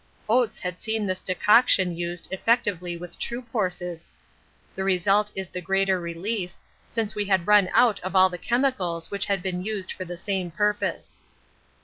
Oates had seen this decoction used effectively with troop horses. The result is the greater relief, since we had run out of all the chemicals which had been used for the same purpose.